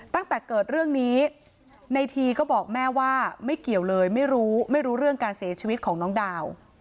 ตั้งแต่เกิดเรื่องนี้ในทีก็บอกแม่ว่าไม่เกี่ยวเลยไม่รู้ไม่รู้เรื่องการเสียชีวิตของน้องดาว